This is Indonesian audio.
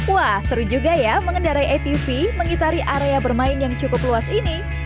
wah seru juga ya mengendarai atv mengitari area bermain yang cukup luas ini